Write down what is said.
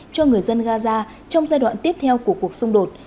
cho người dân gaza trong giai đoạn tiếp theo của cuộc xung đột